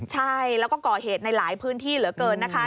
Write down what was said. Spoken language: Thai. ใช่แล้วก็ก่อเหตุในหลายพื้นที่เหลือเกินนะคะ